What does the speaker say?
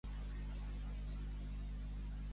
Per què va haver de parlar Cunillera amb Interior?